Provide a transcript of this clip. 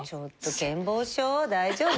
大丈夫？